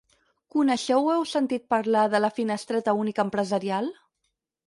Coneixeu o heu sentit parlar de la Finestreta Única Empresarial?